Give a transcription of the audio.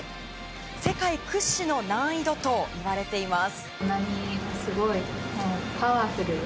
世界屈指の難易度といわれています。